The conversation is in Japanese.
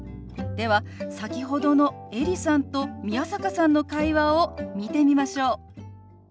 では先ほどのエリさんと宮坂さんの会話を見てみましょう。